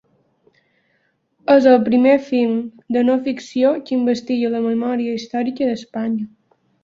És el primer film de no ficció que investiga la memòria històrica d’Espanya.